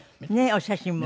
お写真も。